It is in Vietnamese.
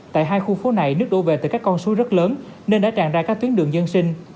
tại hai khu phố này nước đổ về từ các con suối rất lớn nên đã tràn ra các tuyến đường dân sinh